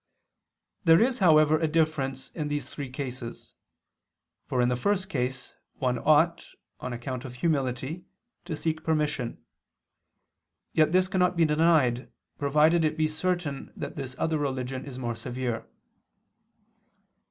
There is, however, a difference in these three cases. For in the first case one ought, on account of humility, to seek permission: yet this cannot be denied, provided it be certain that this other religion is more severe.